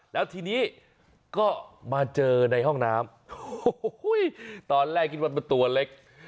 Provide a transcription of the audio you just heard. แล้วทีนี้ก็มาเจอในห้องน้ำตอนแรกกินวันเป็นตัวเล็ก